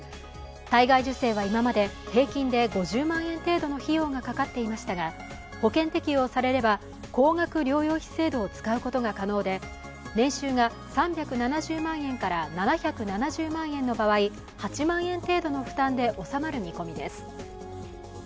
体外受精は今まで平均で５０万円程度の費用がかかっていましたが保険適用されれば、高額医療費制度を使うことが可能で年収が３７０万円から７７０万円の場合、８万円程度の負担で収まる見込みです。